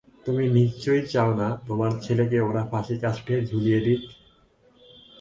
তুমি নিশ্চয়ই চাও না, তোমার ছেলেকে ওরা ফাঁসিকাষ্ঠে ঝুলিয়ে দিক।